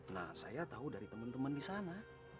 nah saya tahu dari teman teman di sana